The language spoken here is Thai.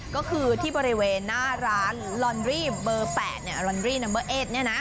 ก็คือที่บริเวณหน้าร้านลอนรี่เบอร์๘ลอนรีนัมเบอร์เอส